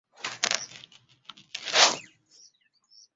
Mpulukutu za musota zigenda na muggo.